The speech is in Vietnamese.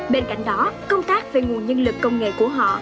bên cạnh đó công tác về nguồn nhân lực công nghệ của họ